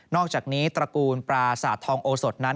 อกจากนี้ตระกูลปราสาททองโอสดนั้น